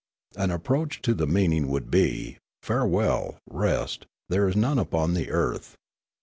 An approach to the meaning would be, " Farewell, Rest ! There is none upon earth."